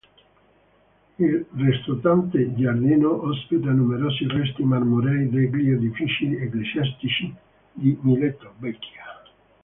Il retrostante giardino ospita numerosi resti marmorei degli edifici ecclesiastici di Mileto Vecchia.